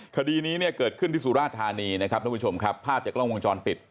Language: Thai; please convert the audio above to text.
คดีนี้เกิดขึ้นที่สุรธานีภาพจากกล้องวงจรปิด